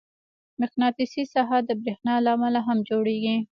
مقناطیسي ساحه د برېښنا له امله هم جوړېږي.